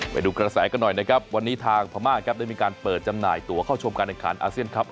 ไปดูกระแสกันหน่อยนะครับวันนี้ทางพม่าครับได้มีการเปิดจำหน่ายตัวเข้าชมการแข่งขันอาเซียนครับ